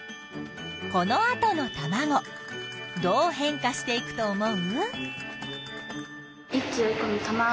このあとのたまごどう変化していくと思う？